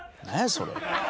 それ」